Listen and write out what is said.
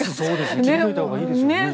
決めといたほうがいいですね。